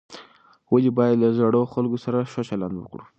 ولې باید له زړو خلکو سره ښه چلند وکړو؟